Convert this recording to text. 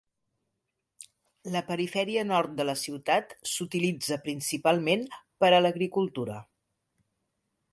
La perifèria nord de la ciutat s'utilitza principalment per a l'agricultura.